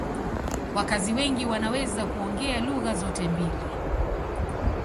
Wakazi wengi wanaweza kuongea lugha zote mbili.